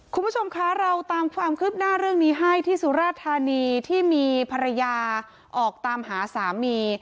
คุณผู้ชมคะเราตามความคืบหน้าเรื่องนี้ให้ที่สุราธานีที่มีภรรยาออกตามหาสามี